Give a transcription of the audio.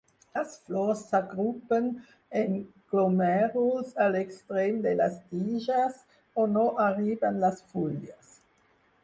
Les flors s'agrupen en glomèruls a l'extrem de les tiges on no arriben les fulles.